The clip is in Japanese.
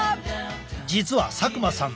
実は佐久間さん